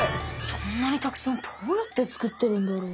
そんなにたくさんどうやってつくってるんだろう？